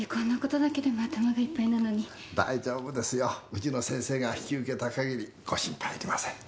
ウチの先生が引き受けたかぎりご心配いりません。